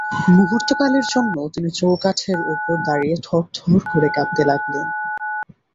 মুহূর্তকালের জন্য তিনি চৌকাঠের উপর দাঁড়িয়ে থরথর করে কাঁপতে লাগলেন।